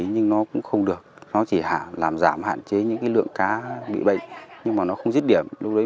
mình cũng loay hoay tìm cách để mình xử lý những cái trường hợp xảy ra dịch bệnh thì cũng mất một phần lượng cá